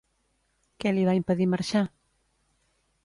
Què li va impedir marxar?